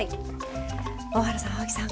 大原さん青木さん